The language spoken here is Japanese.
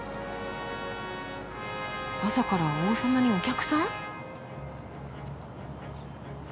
朝から王様にお客さん？